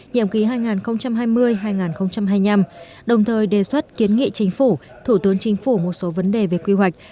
nhiệm ký hai nghìn hai mươi hai nghìn hai mươi năm đồng thời đề xuất kiến nghị chính phủ thủ tướng chính phủ một số vấn đề về quy hoạch